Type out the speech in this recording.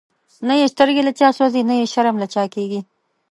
نه یی سترګی له چا سوځی، نه یی شرم له چا کیږی